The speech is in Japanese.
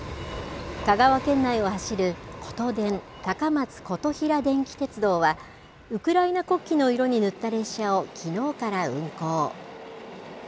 香川県内を走る、ことでん・高松琴平電気鉄道は、ウクライナ国旗の色に塗った列車をきのうから運行。